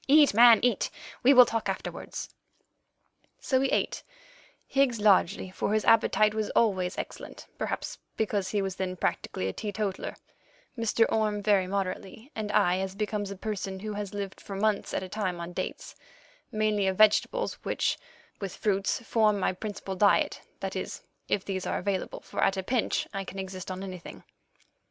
Eat, man, eat. We will talk afterwards." So we ate, Higgs largely, for his appetite was always excellent, perhaps because he was then practically a teetotaller; Mr. Orme very moderately, and I as becomes a person who has lived for months at a time on dates—mainly of vegetables, which, with fruits, form my principal diet—that is, if these are available, for at a pinch I can exist on anything.